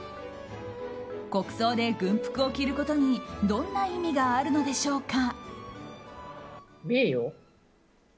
国葬で軍服を着ることにどんな意味があるのでしょうか。